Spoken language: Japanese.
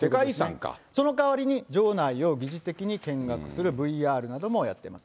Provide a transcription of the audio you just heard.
そのかわりに城内を疑似的に見学するＶＲなどもやってます。